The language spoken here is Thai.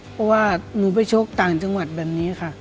เพราะว่าหนูไปชกต่างจังหวัดแบบนี้ค่ะ